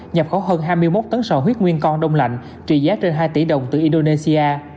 nhập khẩu hơn hai mươi một tấn sò huyết nguyên con đông lạnh trị giá trên hai tỷ đồng từ indonesia